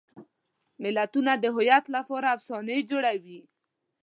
ملتونه د هویت لپاره افسانې جوړوي.